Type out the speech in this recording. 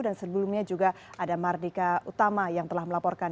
dan sebelumnya juga ada mardika utama yang telah melaporkan